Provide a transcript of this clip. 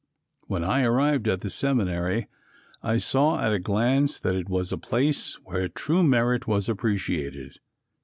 When I arrived at the seminary I saw at a glance that it was a place where true merit was appreciated.